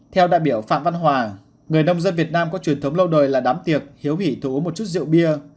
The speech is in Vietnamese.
theo đại biểu phạm văn hòa người nông dân việt nam có truyền thống lâu đời là đám tiệc hiếu hỷ thu uống một chút rượu bia